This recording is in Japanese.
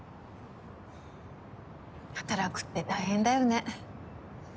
はぁ働くって大変だよね。